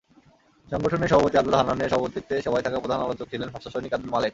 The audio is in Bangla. সংগঠনের সভাপতি আবদুল হান্নানের সভাপতিত্বে সভায় প্রধান আলোচক ছিলেন ভাষাসৈনিক আবদুল মালেক।